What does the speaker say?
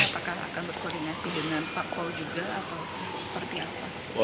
apakah akan berkoordinasi dengan pak paul juga atau seperti apa